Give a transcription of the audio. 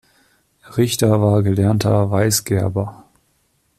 Richter war gelernter Weißgerber.